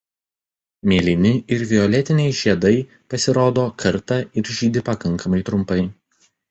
Mėlyni ir violetiniai žiedai pasirodo kartą ir žydi pakankamai trumpai.